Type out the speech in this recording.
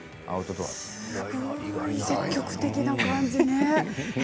すごく積極的な感じね。